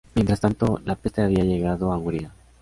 Mientras tanto, la peste había llegado a Hungría.